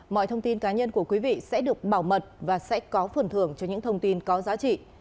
mọi thông tin cá nhân của quý vị sẽ được bảo mật và sẽ có phần thưởng cho những thông tin có giá trị